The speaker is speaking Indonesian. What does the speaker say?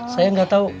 saya nggak tahu